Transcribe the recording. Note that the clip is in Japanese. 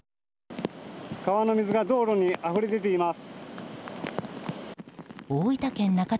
川の水が道路にあふれ出ています。